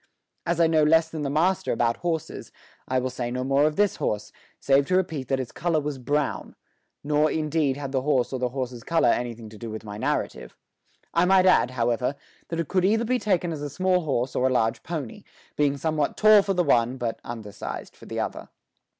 As I know less than the master about horses, I will say no more of this horse, save to repeat that its colour was brown nor indeed had the horse or the horse's colour anything to do with my narrative. I might add, however, that it could either be taken as a small horse or as a large pony, being somewhat tall for the one, but undersized for the other.